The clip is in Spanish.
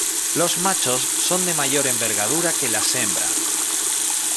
Los machos son de mayor envergadura que las hembra.